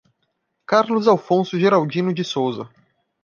Carlos Afonso Geraldino de Souza